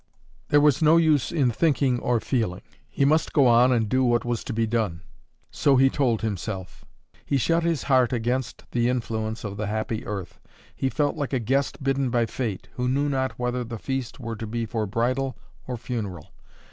There was no use in thinking or feeling; he must go on and do what was to be done. So he told himself. He shut his heart against the influence of the happy earth; he felt like a guest bidden by fate, who knew not whether the feast were to be for bridal or funeral.